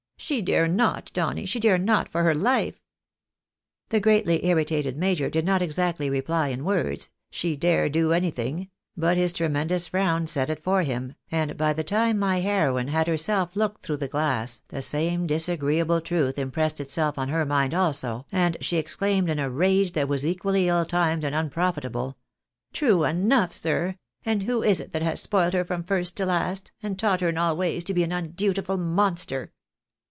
" She dare not, Donny ! She dare not for her life !" The greatly irritated major did not exactly reply in words, "she dare do anything," but his tremendous frown said it for him, and by the time my heroine had herself looked through the glass, the same disagreeable truth impressed itself on her mind also, and she exclaimed, in a rage that was equally ill timed and unprofitable —" True enough, sir. And who is it that has spoilt her from first to last, and taught her in all ways to be an undutiful monster?"